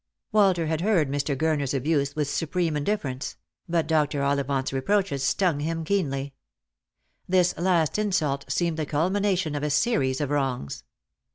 "Walter had heard Mr. Gurner's abuse with supreme indiffer ence; but Dr. Ollivant's reproaches stung him keenly. This last insult seemed the culmination of a series of wrongs.